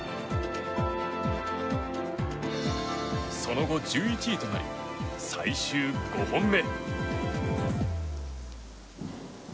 その後、１１位となり最終５本目。